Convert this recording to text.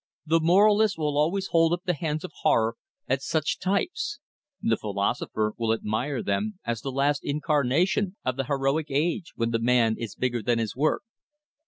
The moralists will always hold up the hands of horror at such types; the philosopher will admire them as the last incarnation of the heroic age, when the man is bigger than his work.